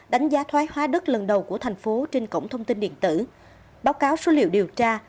đánh giá thoái hóa đất lần đầu của thành phố trên cổng thông tin điện tử báo cáo số liệu điều tra